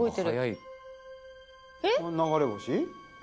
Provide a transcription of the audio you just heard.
流れ星？